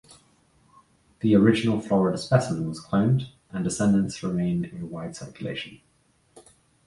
The original Florida specimen was cloned, and descendants remain in wide circulation.